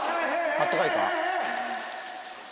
あったかいか。